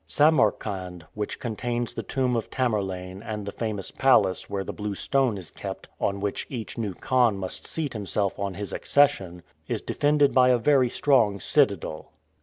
Samarcand, which contains the tomb of Tamerlane and the famous palace where the blue stone is kept on which each new khan must seat himself on his accession, is defended by a very strong citadel.